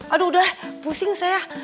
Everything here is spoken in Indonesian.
aduh udah pusing saya